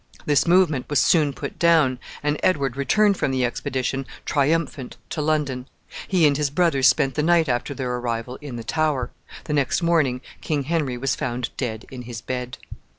This movement was soon put down, and Edward returned from the expedition triumphant to London. He and his brothers spent the night after their arrival in the Tower. The next morning King Henry was found dead in his bed.